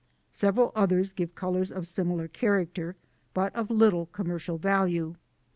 Several others give colours of similar character, but of little commercial value.